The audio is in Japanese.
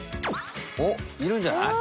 おっいるんじゃない？